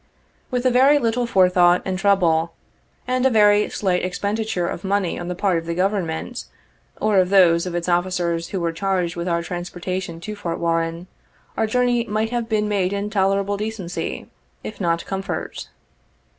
With a very little forethought and trouble, and a very slight expenditure of money on the part of the Government, or of those of its officers who were charged with our transportation to Fort Warren, our jour ney might have been made in tolerable decency, if not com fort.